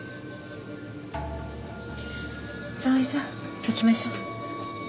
沙織さん行きましょう。